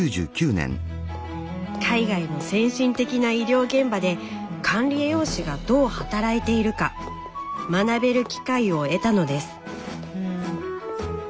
海外の先進的な医療現場で管理栄養士がどう働いているか学べる機会を得たのです。